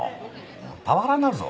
パワハラになるぞ。